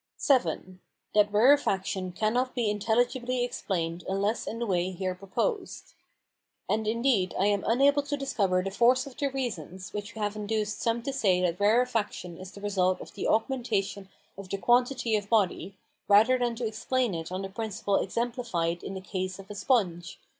VII. That rarefaction cannot be intelligibly explained unless in the way here proposed. And indeed I am unable to discover the force of the reasons which have induced some to say that rarefaction is the result of the augmentation of the quantity of body, rather than to explain it on the principle exemplified in the case of a sponge.